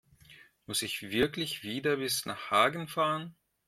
Muss ich wirklich wieder bis nach Hagen fahren?